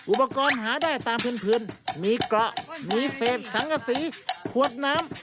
อุปกรณ์หาได้ตามพื้นมีเกราะมีเศษสังกษีขวดน้ำ